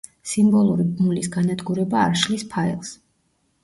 სიმბოლური ბმულის განადგურება არ შლის ფაილს.